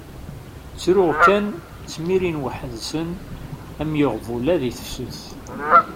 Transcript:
Ttruɣ kan, ttmirin weḥd-sen am yiɣbula di tefsut.